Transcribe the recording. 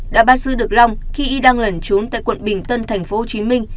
đã bắt giữ được long khi y đang lẩn trốn tại quận bình tân thành phố hồ chí minh